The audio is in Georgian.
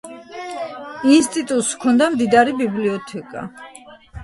ინსტიტუტს ჰქონდა მდიდარი ბიბლიოთეკა.